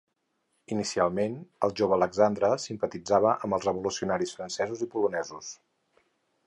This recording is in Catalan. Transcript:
Inicialment, el jove Alexandre simpatitzava amb els revolucionaris francesos i polonesos.